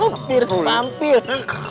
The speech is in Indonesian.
buah pir vampir